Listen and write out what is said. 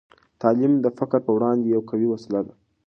تعلیم د فقر په وړاندې یوه قوي وسله ده.